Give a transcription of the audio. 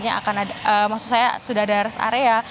maksud saya sudah ada res area